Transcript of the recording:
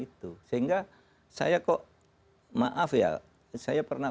itu sehingga saya kok maaf ya saya pernah